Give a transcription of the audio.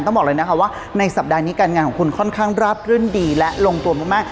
บอกเลยนะคะว่าในสัปดาห์นี้การงานของคุณค่อนข้างราบรื่นดีและลงตัวมาก